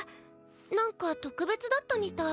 なんか特別だったみたい。